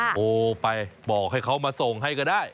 โทรไปบอกให้เขามาส่งให้ก็ได้